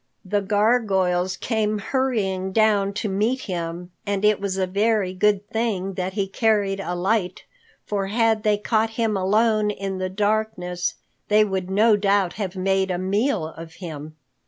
The gargoyles came hurrying down to meet him, and it was a very good thing that he carried a light, for had they caught him alone in the darkness, they would no doubt have made a meal of him.